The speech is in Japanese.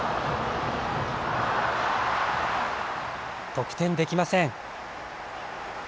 得点できません。